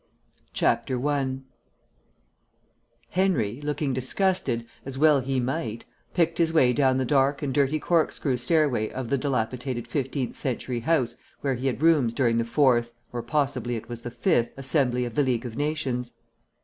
1 Henry, looking disgusted, as well he might, picked his way down the dark and dirty corkscrew stairway of the dilapidated fifteenth century house where he had rooms during the fourth (or possibly it was the fifth) Assembly of the League of Nations.